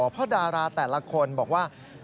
เพราะดาราแต่ละคนบอกว่า